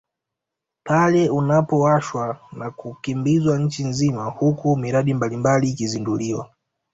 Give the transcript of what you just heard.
Pale unapowashwa na kukimbizwa nchi nzima huku miradi mbalimbali ikizinduliwa